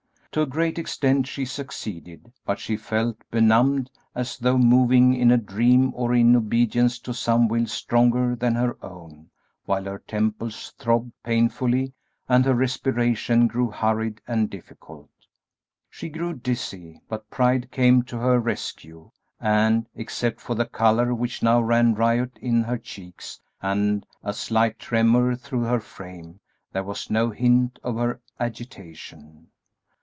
To a great extent she succeeded, but she felt benumbed, as though moving in a dream or in obedience to some will stronger than her own, while her temples throbbed painfully and her respiration grew hurried and difficult. She grew dizzy, but pride came to her rescue, and, except for the color which now ran riot in her cheeks and a slight tremor through her frame, there was no hint of her agitation.